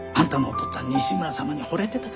っつぁん西村様にほれてたからな。